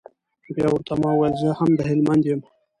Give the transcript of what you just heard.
بيا ورته ما وويل زه هم د هلمند يم.